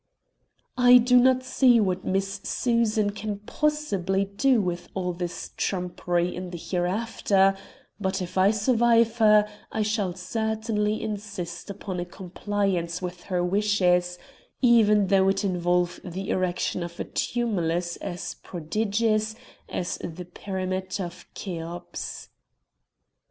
I do not see what Miss Susan can possibly do with all this trumpery in the hereafter, but, if I survive her, I shall certainly insist upon a compliance with her wishes, even though it involve the erection of a tumulus as prodigious as the pyramid of Cheops.